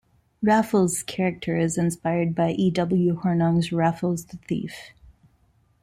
Raffles' character is inspired by E. W. Hornung's Raffles the Thief.